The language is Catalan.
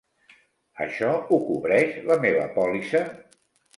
Això ho cobreix la meva pòlissa?